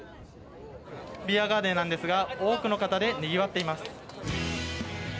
ビアガーデンなんですが多くの方でにぎわっています。